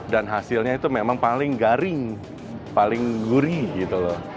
dan hasilnya itu memang paling garing paling gurih gitu loh